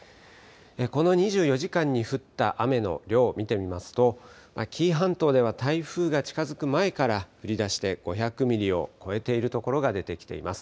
この２４時間に降った雨の量見てみますと紀伊半島では台風が近づく前から降りだして５００ミリを超えているところが出てきています。